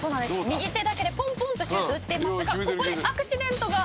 右手だけでポンポンとシュートを打っていますがここでアクシデントが」